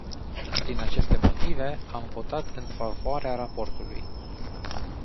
Din aceste motive, am votat în favoarea raportului.